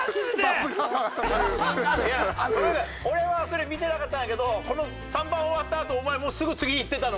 俺はそれ見てなかったんだけどこの３番終わった